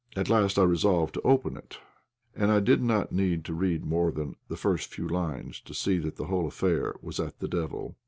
At last I resolved to open it, and I did not need to read more than the first few lines to see that the whole affair was at the devil.